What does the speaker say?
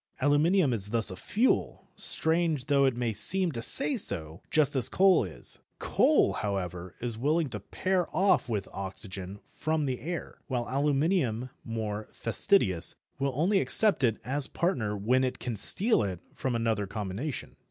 Aluminium is thus a fuel, strange though it may seem to say so, just as coal is. Coal, however, is willing to pair off with oxygen from the air, while aluminium, more fastidious, will only accept it as partner when it can steal it from another combination.